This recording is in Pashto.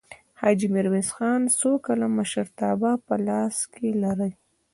حاجي میرویس خان څو کاله مشرتابه په لاس کې لرلې؟